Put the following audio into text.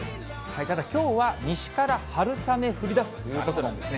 ただきょうは西から春雨、降りだすということなんですね。